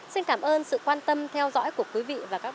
xin cảm ơn sự quan tâm theo dõi